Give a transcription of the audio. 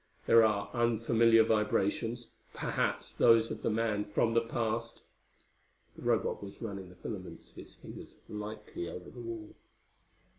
There are unfamiliar vibrations perhaps those of the man from the past." The Robot was running the filaments of its fingers lightly over the wall.